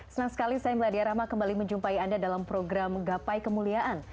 senang sekali saya meladia rahma kembali menjumpai anda dalam program gapai kemuliaan